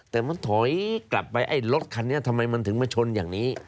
แต่มันถอยกลับไปไอ้รถคันนี้ทำไมมันถึงมาชนอย่างนี้